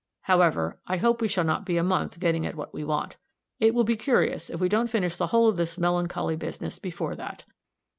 However, I hope we shall not be a month getting at what we want. It will be curious if we don't finish the whole of this melancholy business before that.